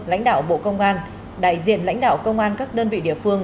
lãnh đạo bộ công an đại diện lãnh đạo công an các đơn vị địa phương